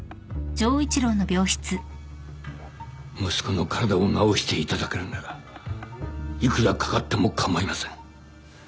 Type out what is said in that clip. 息子の体を治していただけるなら幾らかかっても構いません。